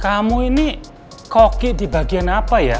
kamu ini koki di bagian apa ya